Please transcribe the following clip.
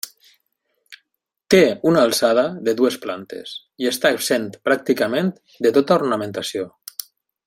Té una alçada de dues plantes i està exempt pràcticament de tota ornamentació.